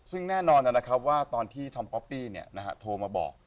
ซึ่งแน่นอนนะครับว่าตอนที่ทอมป๊อปปี้โทรมาบอก